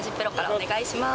お願いします。